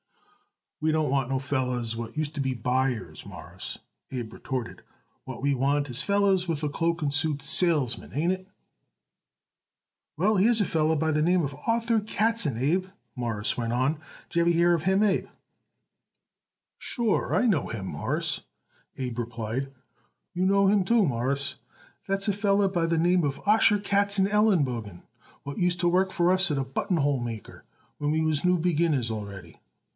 "We don't want no fellers what used to be buyers, Mawruss," Abe retorted. "What we want is fellers what is cloak and suit salesmen. Ain't it?" "Well, here's a feller by the name Arthur Katzen, Abe," Morris went on. "Did y'ever hear of him, Abe?" "Sure I know him, Mawruss," Abe replied. "You know him, too, Mawruss. That's a feller by the name Osher Katzenelenbogen, what used to work for us as buttonhole maker when we was new beginners already.